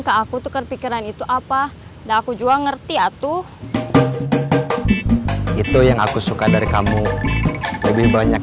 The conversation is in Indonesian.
ke aku tukar pikiran itu apa dan aku juga ngerti atuh itu yang aku suka dari kamu lebih banyak